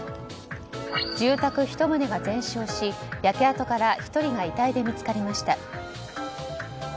住宅１棟が全焼し焼け跡から１人が遺体で見つかりました。